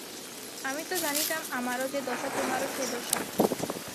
আমি তো জানিতাম আমারো যে দশা তােমারো সে দশা!